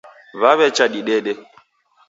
Wawecha didede.